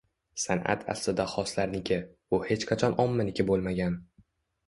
San’at aslida xoslarniki, u hech qachon ommaniki bo‘lmagan.